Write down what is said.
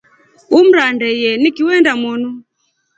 Umra ndeye nikiwenda mwoni.